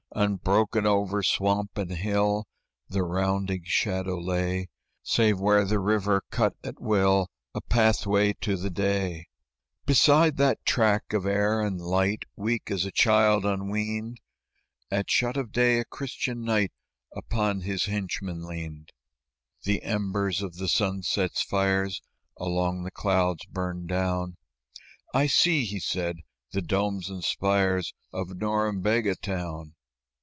Unbroken over swamp and hill The rounding shadow lay, Save where the river cut at will A pathway to the day. Beside that track of air and light, Weak as a child unweaned, At shut of day a Christian knight Upon his henchman leaned. The embers of the sunset's fires Along the clouds burned down; "I see," he said, "the domes and spires Of Norembega town."